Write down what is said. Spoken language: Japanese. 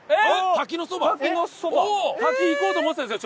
滝行こうと思ってたんですよ